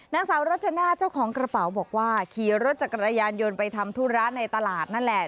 นางสาวรัชนาเจ้าของกระเป๋าบอกว่าขี่รถจักรยานยนต์ไปทำธุระในตลาดนั่นแหละ